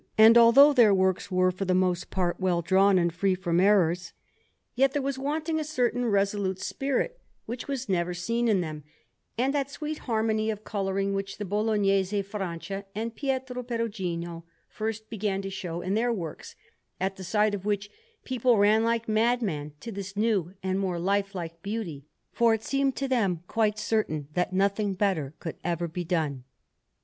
And although their works were for the most part well drawn and free from errors, yet there was wanting a certain resolute spirit which was never seen in them, and that sweet harmony of colouring which the Bolognese Francia and Pietro Perugino first began to show in their works; at the sight of which people ran like madmen to this new and more lifelike beauty, for it seemed to them quite certain that nothing better could ever be done.